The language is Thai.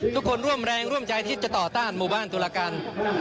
ทุกคนร่วมแรงร่วมใจที่จะต่อต้านหมู่บ้านธุรกัณฐ์